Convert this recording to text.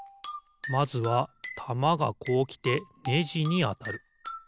まずはたまがこうきてネジにあたる。